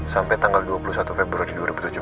sampai tanggal dua puluh satu februari dua ribu tujuh belas